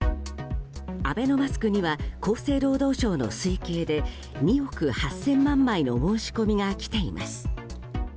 アベノマスクには厚生労働省の推計で２億８０００万枚の申し込みが来ています。